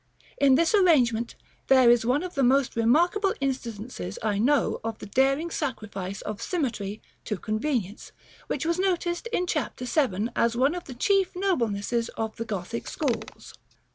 In this arrangement there is one of the most remarkable instances I know of the daring sacrifice of symmetry to convenience, which was noticed in Chap. VII. as one of the chief noblenesses of the Gothic schools.